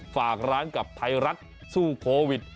ฝากร้านกับไทยรัฐสู้โควิด